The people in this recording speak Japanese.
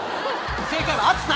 正解は熱さ！